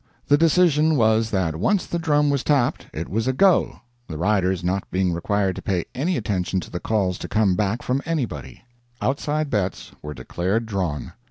The decision was that once the drum was tapped, it was a go—the riders not being required to pay any attention to the calls to come back from anybody. Outside bets were declared drawn.